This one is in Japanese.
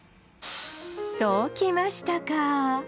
そうきましたか！